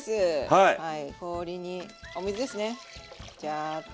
はい氷にお水ですねジャーッと。